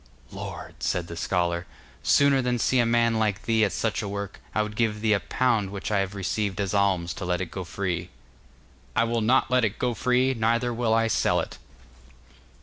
'Lord!' said the scholar, 'sooner than see a man like thee at such a work, I would give thee a pound which I have received as alms to let it go free.' 'I will not let it go free, neither will I sell it.